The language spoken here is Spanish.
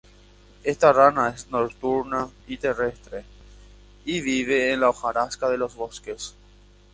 Esta rana es nocturna y terrestre y vive en la hojarasca de los bosques.